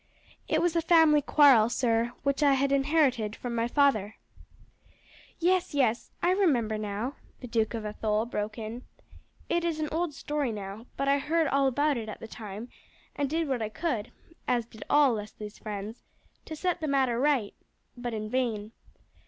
"It was a family quarrel, sir, which I had inherited from my father." "Yes, yes, I remember now," the Duke of Athole broke in. "It is an old story now; but I heard all about it at the time, and did what I could, as did all Leslie's friends, to set the matter right, but in vain.